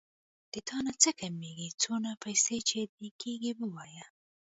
د تانه څه کمېږي څونه پيسې چې دې کېږي ووايه.